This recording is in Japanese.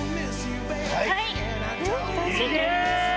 はい！